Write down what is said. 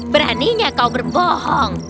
beraninya kau berbohong